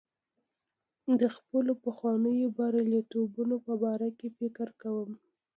د خپلو پخوانیو بریالیتوبونو په باره کې فکر کوم.